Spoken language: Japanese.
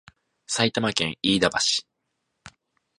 埼玉県飯田橋